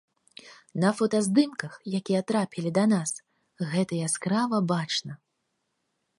На фотаздымках, якія трапілі да нас, гэта яскрава бачна.